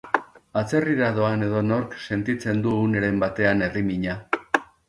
Atzerrira doan edonork sentitzen du uneren batean herrimina.